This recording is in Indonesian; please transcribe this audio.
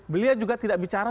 beliau juga tidak bicara